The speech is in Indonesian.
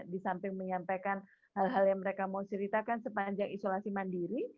di samping menyampaikan hal hal yang mereka mau ceritakan sepanjang isolasi mandiri